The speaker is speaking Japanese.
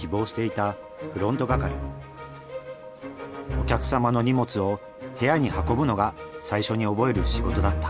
お客様の荷物を部屋に運ぶのが最初に覚える仕事だった。